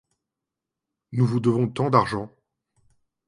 Nous vous devons tant d'argent !